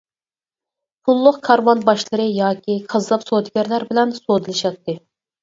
پۇللۇق كارۋان باشلىرى ياكى كاززاپ سودىگەرلەر بىلەن سودىلىشاتتى.